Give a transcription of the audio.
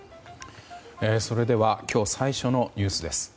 それでは今日最初のニュースです。